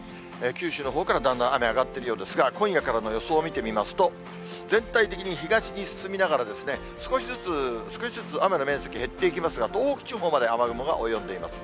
九州のほうからだんだん雨あがってるようですが、今夜からの予想見てみますと、全体的に東に進みながら、少しずつ少しずつ雨の面積、減っていきますが、東北地方まで雨雲が及んでいます。